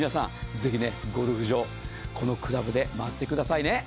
ぜひ、ゴルフ場このクラブで回ってくださいね。